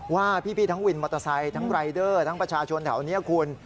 ว่าพี่ทั้งวินมอเตอร์ไซค์ทั้งรายเดอร์ทั้งประชาชนแถวนี้คุณ